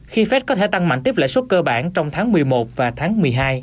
khi fed có thể tăng mạnh tiếp lãi suất cơ bản trong tháng một mươi một và tháng một mươi hai